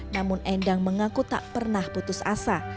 namun endang mengaku tak pernah putus asa